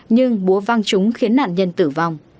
nhưng búa văng chúng khiến nạn nhân tử vong